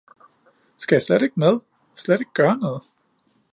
Skal jeg slet ikke med, slet ikke gøre noget